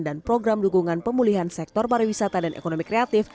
dan program dukungan pemulihan sektor pariwisata dan ekonomi kreatif